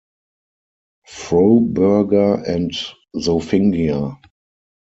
Froburger, and Zofingia.